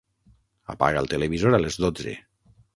Apaga el televisor a les dotze.